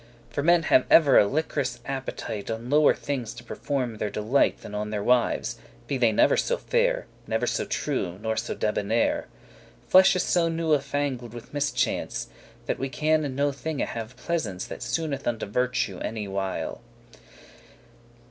For men have ever a lik'rous appetite On lower things to perform their delight Than on their wives, be they never so fair, Never so true, nor so debonair.* *gentle, mild Flesh is so newefangled, *with mischance,* *ill luck to it* That we can in no thinge have pleasance That *souneth unto* virtue any while.